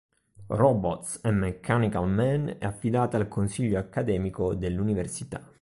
Robots and Mechanical Men è affidata al consiglio accademico dell'università.